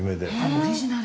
オリジナル！